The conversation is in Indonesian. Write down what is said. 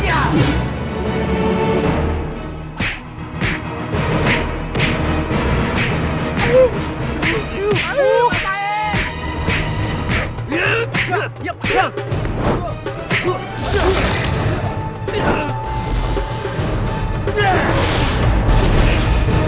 aduh mas sain